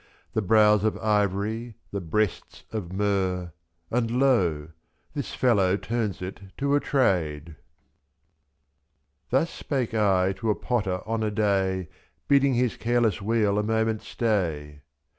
The brows of ivory, the breasts of myrrh, — And lo! this fellow turns it to a trade. Thus spake I to a potter on a day. Bidding his careless wheel a moment stay — /4<^."